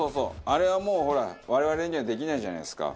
あれはもうほら我々にはできないじゃないですか。